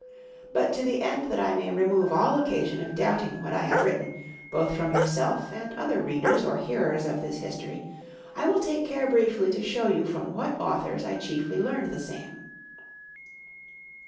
But to the end that I may remove all occasion of doubting what I have written, both from yourself and other readers or hearers of this history, I will take care briefly to show you from what authors I chiefly learned the same.